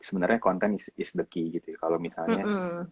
sebenernya content is the key gitu ya kalo misalnya